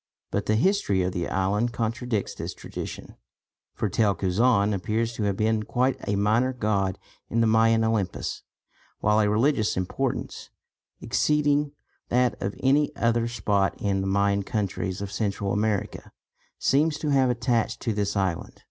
But the history of the island contradicts this tradition, for Tel Cuzaan appears to have been quite a minor god in the Mayan Olympus; while a religious importance, exceeding that of any other spot in the Mayan countries of Central America, seems to have attached to this island.